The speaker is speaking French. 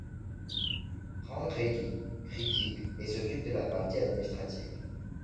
Franck relit, critique, et s'occupe de la partie administrative.